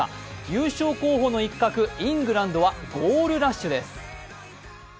優勝候補の一角イングランドはゴールラッシュです。